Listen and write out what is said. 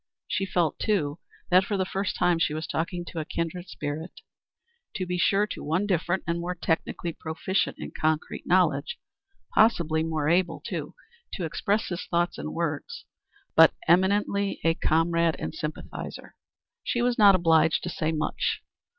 She felt too that for the first time she was talking to a kindred spirit to be sure, to one different, and more technically proficient in concrete knowledge, possibly more able, too, to express his thoughts in words, but eminently a comrade and sympathizer. She was not obliged to say much.